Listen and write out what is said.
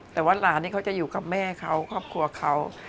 แต่ว่าหลานนี่เขาจะอยู่กับแม่เขาครอบครัวเขา